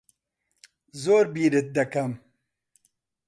زۆر بیرت دەکەم.